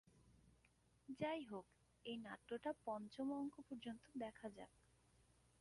যাই হোক, এ নাট্যটা পঞ্চম অঙ্ক পর্যন্ত দেখা যাক।